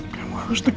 kamu harus tegak